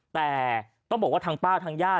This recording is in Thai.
แต่เราต้องบอกว่าทั้งป้าทั้งย่า